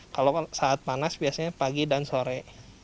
kalau saat panas biasanya pagi dan sore